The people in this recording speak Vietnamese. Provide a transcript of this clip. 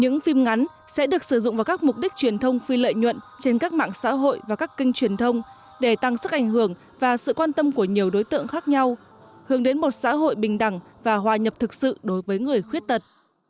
những phim ngắn sẽ được sử dụng vào các mục đích truyền thông phi lợi nhuận trên các mạng xã hội và các kênh truyền thông để tăng sức ảnh hưởng và sự quan tâm của nhiều đối tượng khác nhau hướng đến một xã hội bình đẳng và hòa nhập thực sự đối với người khuyết tật